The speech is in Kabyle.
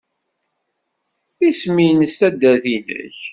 Isem-nnes taddart-nnek?